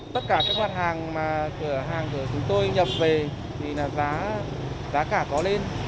tất cả các mặt hàng mà cửa hàng của chúng tôi nhập về thì là giá cả có lên